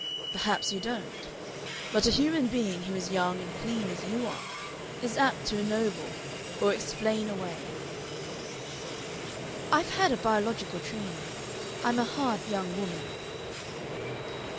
"Perhaps you don't. But a human being who is young and clean, as you are, is apt to ennoble or explain away." "I've had a biological training. I'm a hard young woman."